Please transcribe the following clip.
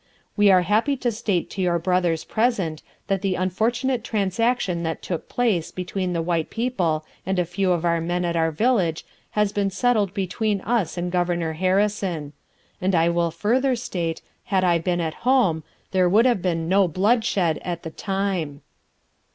We are happy to state to your brothers present, that the unfortunate transaction that took place between the white people and a few of our men at our village has been settled between us and Governor Harrison; and I will further state, had I been at home, there would have been no blood shed at the time.